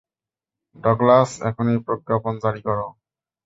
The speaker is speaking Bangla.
ডগলাস, এখনই প্রজ্ঞাপন জারি করো।